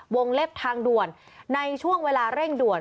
เล็บทางด่วนในช่วงเวลาเร่งด่วน